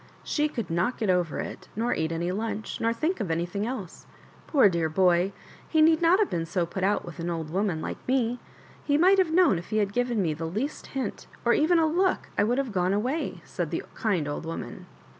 She could not get over it, nor eat any lunch, nor think of ajiything else. "PocMr dear boy! be need not have been so put out with an old wo man like me. He might have known if he had given me the least hint, or even a look, I would have gone away," said the kind old woman.